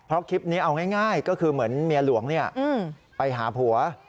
เพราะคลิปนี้เอาง่ายก็คือเหมือนเมียหลวงไปหาผัว